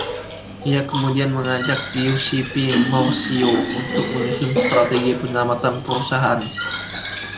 Ia kemudian mengajak Giuseppe Morchio untuk menyusun strategi penyelamatan perusahaan.